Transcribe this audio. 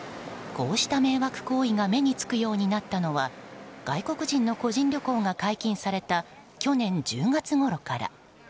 こうした迷惑行為が目につくようになったのは外国人の個人旅行が解禁された去年１０月ごろから。